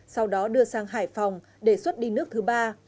sau đó đưa sang hải phòng để xuất đi nước thứ ba